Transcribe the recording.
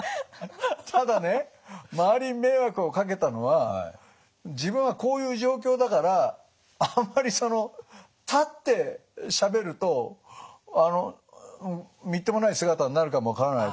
ただね周りに迷惑をかけたのは自分はこういう状況だからあんまりその立ってしゃべるとみっともない姿になるかも分からないと。